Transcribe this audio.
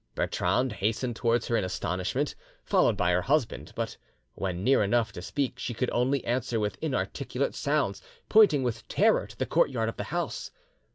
Bertrande hastened towards her in astonishment, followed by her husband, but when near enough to speak she could only answer with inarticulate sounds, pointing with terror to the courtyard of the house.